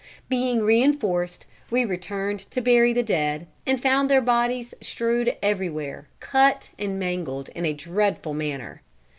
Being reinforced we returned to bury the dead, and found their bodies strewed everywhere, cut and mangled in a dreadful manner.